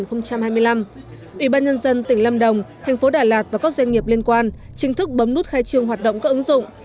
ủy ban nhân dân tỉnh lâm đồng thành phố đà lạt và các doanh nghiệp liên quan chính thức bấm nút khai trương hoạt động các ứng dụng